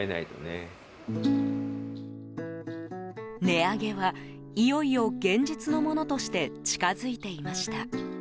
値上げはいよいよ現実のものとして近づいていました。